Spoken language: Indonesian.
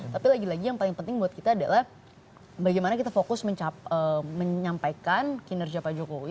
tapi lagi lagi yang paling penting buat kita adalah bagaimana kita fokus menyampaikan kinerja pak jokowi